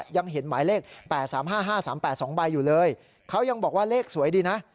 ยังเห็นหมายเลข๘๓๕๕๓๘๒ใบอยู่เลยเขายังบอกว่าเลขสวยดีนะ